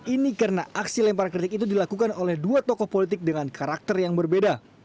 ini karena aksi lempar kritik itu dilakukan oleh dua tokoh politik dengan karakter yang berbeda